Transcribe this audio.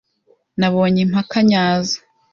Nabonye impaka nyazo.